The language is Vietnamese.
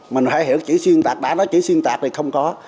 mình phải hiểu chỉ xuyên tạc đã chỉ xuyên tạc thì không có